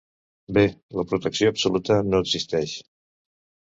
Bé, la protecció absoluta no existeix.